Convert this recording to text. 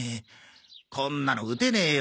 こんなの打てねえよ。